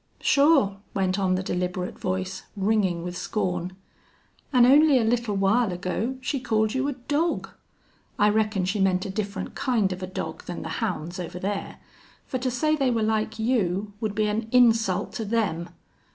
"Sure," went on the deliberate voice, ringing with scorn. "An' only a little while ago she called you a dog.... I reckon she meant a different kind of a dog than the hounds over there. For to say they were like you would be an insult to them....